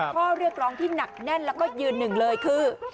ข้อเรียกร้องที่หนักแน่นแล้วก็ยืนหนึ่งเลยคือ